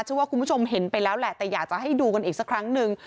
ว่าคุณผู้ชมเห็นไปแล้วแหละแต่อยากจะให้ดูกันอีกสักครั้งนึง